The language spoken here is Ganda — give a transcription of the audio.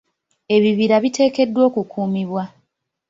Ebibira biteekeddwa okukuumibwa.